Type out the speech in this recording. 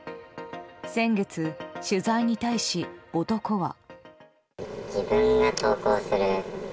先月、取材に対し男は。